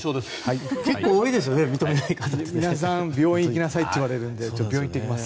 病院行きなさいって言われるので病院に行ってきます。